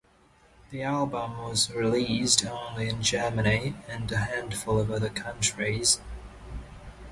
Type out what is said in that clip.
The album was released only in Germany and a handful of other countries.